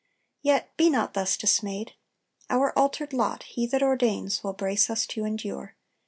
"Yet be not thus dismayed. Our altered lot He that ordains will brace us to endure.